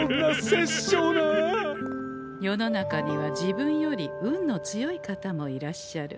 世の中には自分より運の強い方もいらっしゃる。